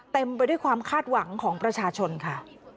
เต็มไปด้วยความคาดหวังของประชาชนค่ะ